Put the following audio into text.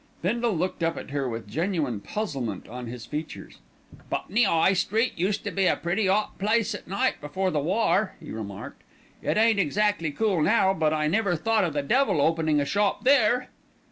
Bindle looked up at her with genuine puzzlement on his features. "Putney 'Igh Street used to be a pretty 'ot place at night before the war," he remarked; "it ain't exactly cool now; but I never thought o' the devil openin' a shop there."